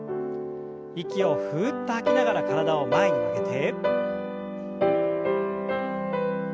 息をふっと吐きながら体を前に曲げて。